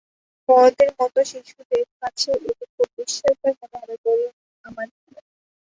বড়দের মতো শিশুদের কাছেও এটি খুব বিস্ময়কর মনে হবে বলে আমার ধারণা।